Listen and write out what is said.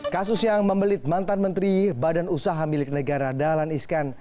kasus yang membelit mantan menteri badan usaha milik negara dahlan iskan